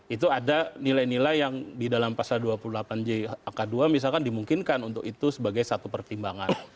itu ada nilai nilai yang di dalam pasal dua puluh delapan j angka dua misalkan dimungkinkan untuk itu sebagai satu pertimbangan